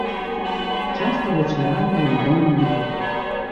Часта вечарамі ён дома не бываў.